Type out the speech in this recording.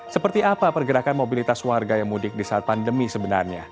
seperti apa pergerakan mobilitas warga yang mudik di saat pandemi sebenarnya